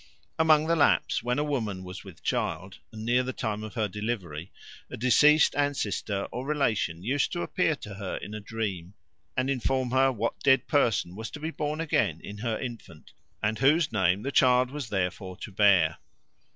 Among the Lapps, when a woman was with child and near the time of her delivery, a deceased ancestor or relation used to appear to her in a dream and inform her what dead person was to be born again in her infant, and whose name the child was therefore to bear.